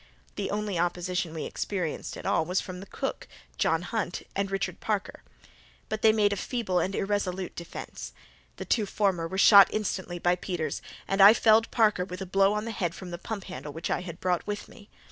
The only opposition we experienced at all was from the cook, John Hunt, and Richard Parker; but they made but a feeble and irresolute defence. The two former were shot instantly by Peters, and I felled Parker with a blow on the head from the pump handle which I had brought with me.